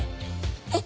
えっ？